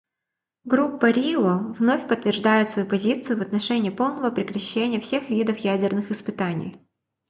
Группа Рио вновь подтверждает свою позицию в отношении полного прекращения всех видов ядерных испытаний.